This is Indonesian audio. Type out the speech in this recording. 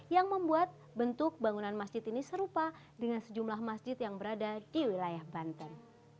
yang membuat bentuk bangunan masjid ini serupa dengan sejumlah masjid yang berada di wilayah banten